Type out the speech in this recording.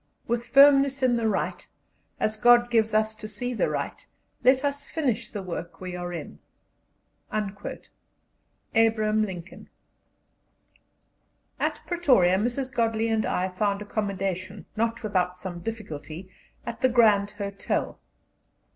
with firmness in the right, as God gives us to see the right, let us finish the work we are in." ABRAHAM LINCOLN. At Pretoria Mrs. Godley and I found accommodation, not without some difficulty, at the Grand Hotel.